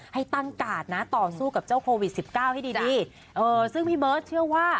ให้ตั้งกาดนะต่อสู้กับเจ้าโควิดสิบเก้าให้ดีดีเออซึ่งพี่เบิร์ตเชื่อว่า